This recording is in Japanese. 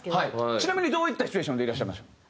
ちなみにどういったシチュエーションでいらっしゃいました？